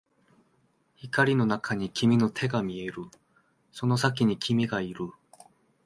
光の中に君の手が見える、その先に君がいる